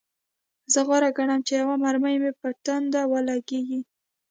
زه غوره ګڼم چې یوه مرمۍ مې په ټنډه ولګیږي